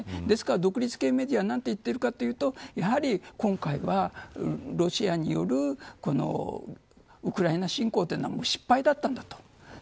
ですから、独立系メディアは何と言っているかというとやはり今回は、ロシアによるウクライナ侵攻というのは失敗だったんだと。